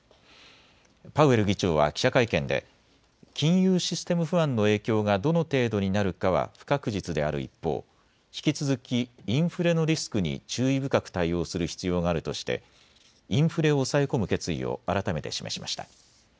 パウエル議長は記者会見で金融システム不安の影響がどの程度になるかは不確実である一方、引き続きインフレのリスクに注意深く対応する必要があるとしてインフレを抑え込む決意を改めて示しました。